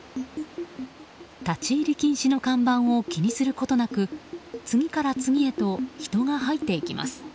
立ち入り禁止の看板を気にすることなく次から次へと人が入っていきます。